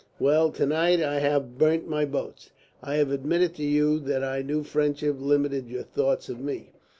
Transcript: Well, to night I have burnt my boats. I have admitted to you that I knew friendship limited your thoughts of me.